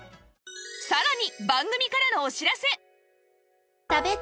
さらに